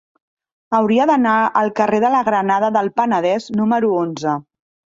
Hauria d'anar al carrer de la Granada del Penedès número onze.